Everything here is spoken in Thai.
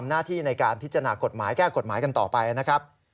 หน้าที่ในการพิจารณากฎหมายแก้กฎหมายกันต่อไปนะครับ